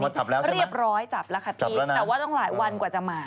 อ้าวมันจับแล้วใช่ไหมจับแล้วนะแต่ว่าต้องหลายวันกว่าจะมา